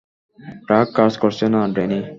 Truck কাজ করছে না, ড্যানি।